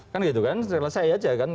kan gitu kan selesai aja kan